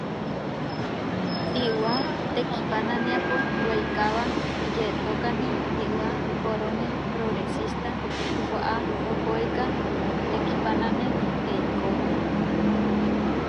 Iʼwá tekihpananiapu weikába yeʼtókane iʼwá korónia Progresísta waʼá, ohóeka tekihpánane iekó.